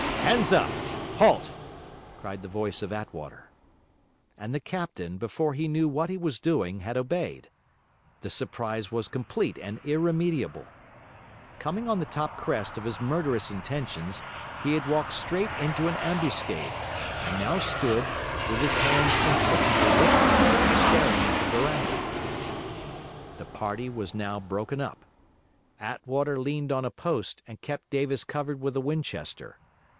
'Hands up! Halt!' cried the voice of Attwater. And the captain, before he knew what he was doing, had obeyed. The surprise was complete and irremediable. Coming on the top crest of his murderous intentions, he had walked straight into an ambuscade, and now stood, with his hands impotently lifted, staring at the verandah. The party was now broken up. Attwater leaned on a post, and kept Davis covered with a Winchester.